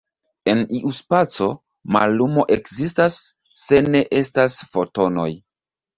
En iu spaco, mallumo ekzistas se ne estas Fotonoj.